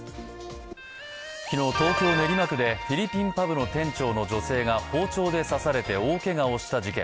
昨日、東京・練馬区で、フィリピンパブの店長の女性が包丁で刺されて大けがをした事件。